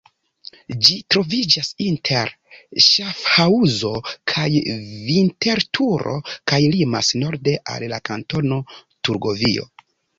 Ĝi troviĝas inter Ŝafhaŭzo kaj Vinterturo kaj limas norde al la Kantono Turgovio.